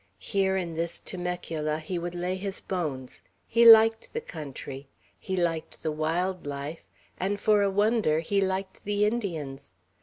Here, in this Temecula, he would lay his bones. He liked the country. He liked the wild life, and, for a wonder, he liked the Indians.